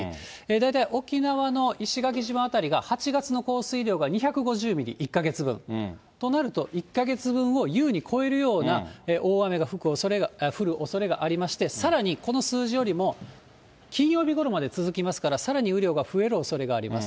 大体沖縄の石垣島辺りが８月の降水量が２５０ミリ、１か月分、となると、１か月分を優に超えるような大雨が降るおそれがありまして、さらに、この数字よりも金曜日ごろまで続きますから、さらに雨量が増えるおそれがあります。